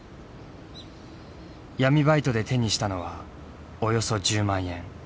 闇バイトで手にしたのはおよそ１０万円。